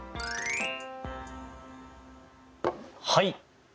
はい。